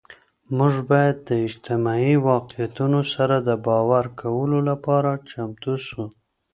مونږ باید د اجتماعي واقعیتونو سره د باور کولو لپاره چمتو سو.